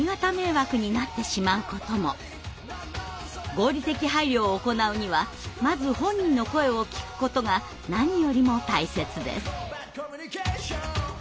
合理的配慮を行うにはまず本人の声を聞くことが何よりも大切です。